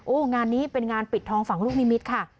งานนี้เป็นงานปิดทองฝั่งลูกนิมิตรค่ะ